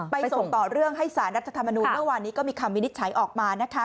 ส่งต่อเรื่องให้สารรัฐธรรมนูลเมื่อวานนี้ก็มีคำวินิจฉัยออกมานะคะ